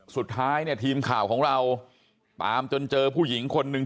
สุดท้ายเนี่ยทีมข่าวของเราตามจนเจอผู้หญิงคนหนึ่ง